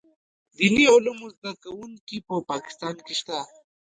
دیني علومو زده کوونکي په پاکستان کې شته.